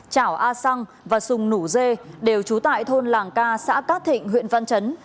trảo a sang và sùng nủ dê đều trú tại thôn làng ca xã cát thịnh huyện văn chấn